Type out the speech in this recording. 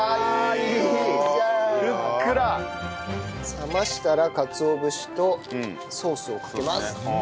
冷ましたらかつお節とソースをかけます。